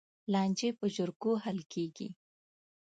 لانجې په جرګو حل کېږي.